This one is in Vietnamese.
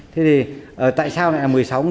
thế thì tại sao lại là một mươi sáu